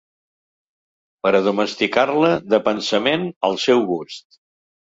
Per a domesticar-la, de pensament, al seu gust.